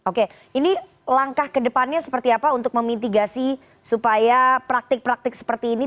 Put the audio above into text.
oke ini langkah kedepannya seperti apa untuk memitigasi supaya praktik praktik seperti ini